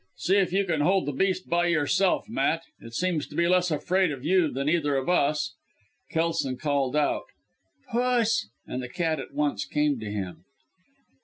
See if you can hold the beast by yourself, Matt! It seems to be less afraid of you than of either of us." Kelson called out: "Puss!", and the cat at once came to him.